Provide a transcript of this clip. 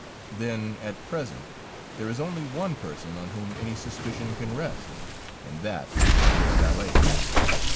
"Then at present, there is only one person on whom any suspicion can rest and that is your valet."